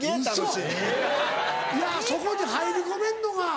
いやそこに入り込めんのが。